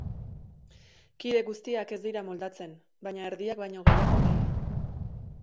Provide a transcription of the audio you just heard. Kide guztiak ez dira moldatzen, baina erdiak baino gehiago bai.